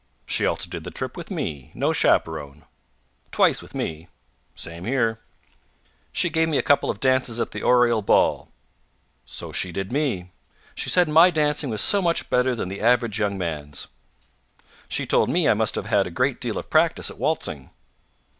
"She also did the trip with me. No chaperone." "Twice with me." "Same here." "She gave me a couple of dances at the Oriel ball." "So she did me. She said my dancing was so much better than the average young man's." "She told me I must have had a great deal of practice at waltzing."